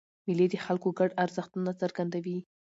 مېلې د خلکو ګډ ارزښتونه څرګندوي.